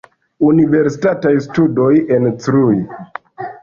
Universitataj studoj en Cluj.